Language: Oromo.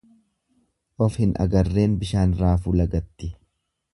Of hin agarreen bishaan raafuu lagatti.